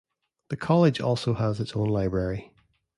The college also has its own library.